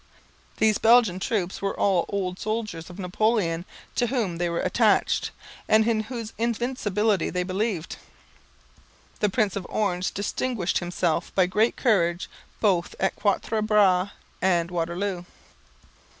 These Belgian troops were all old soldiers of Napoleon, to whom they were attached, and in whose invincibility they believed. The Prince of Orange distinguished himself by great courage both at Quatre Bras and Waterloo.